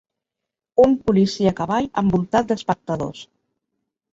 Un policia a cavall envoltat d'espectadors.